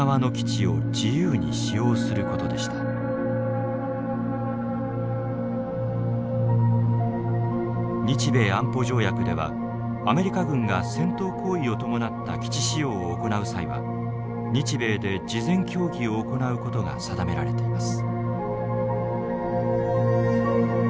それは日米安保条約ではアメリカ軍が戦闘行為を伴った基地使用を行う際は日米で事前協議を行うことが定められています。